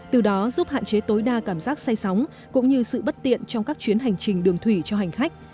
từ đó giúp hạn chế tối đa cảm giác say sóng cũng như sự bất tiện trong các chuyến hành trình đường thủy cho hành khách